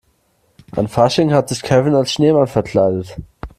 An Fasching hat sich Kevin als Schneemann verkleidet.